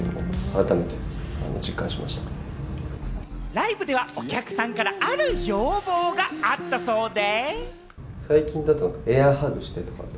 ライブではお客さんからある要望があったそうで。